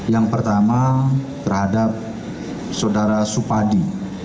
yang pertama terhadap saudara supadi